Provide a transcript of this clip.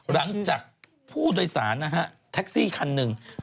หลังจากผู้โดยสารนะฮะแท็กซี่คันหนึ่ง